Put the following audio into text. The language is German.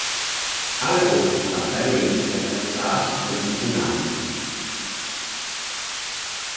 Alle Boote, die Bertarelli seither besass, trugen diesen Namen.